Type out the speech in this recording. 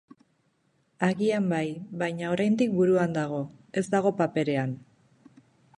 Agian bai, baina oraindik buruan dago, ez dago paperean.